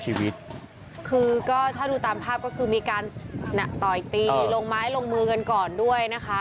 ชีวิตคือก็ถ้าดูตามภาพก็คือมีการต่อยตีลงไม้ลงมือกันก่อนด้วยนะคะ